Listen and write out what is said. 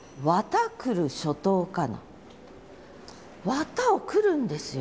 綿を繰るんですよ。